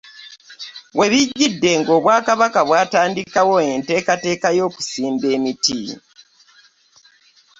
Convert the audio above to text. We bijjidde ng'Obwakabaka bwatandikawo enteekateeka y'okusimba emiti